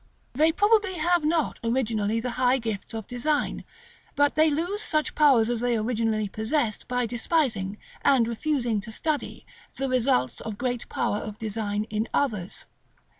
They probably have not originally the high gifts of design, but they lose such powers as they originally possessed by despising, and refusing to study, the results of great power of design in others.